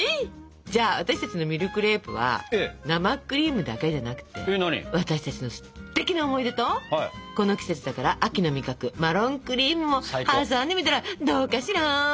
じゃあ私たちのミルクレープは生クリームだけじゃなくて私たちのすてきな思い出とこの季節だから秋の味覚マロンクリームも挟んでみたらどうかしら？